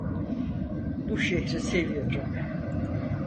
Bu şehri seviyorum.